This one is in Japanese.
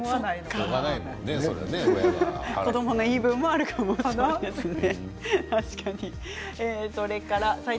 子どもの言い分もあるかもしれませんね。